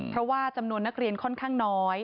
เพราะว่าจำนวนนักเรียนค่อนข้างน้อย